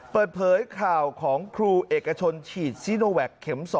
เปิดเผยข่าวของครูเอกชนฉีดซีโนแวคเข็ม๒